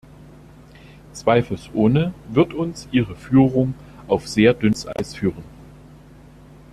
Zweifelsohne wird uns Ihre Führung auf sehr dünnes Eis führen.